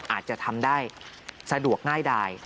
อาจจะทำได้สะดวกง่ายดาย